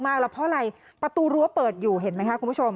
แล้วเพราะอะไรประตูรั้วเปิดอยู่เห็นไหมคะคุณผู้ชม